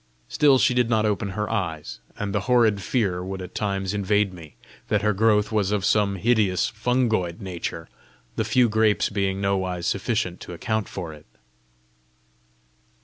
Still she did not open her eyes; and the horrid fear would at times invade me, that her growth was of some hideous fungoid nature, the few grapes being nowise sufficient to account for it.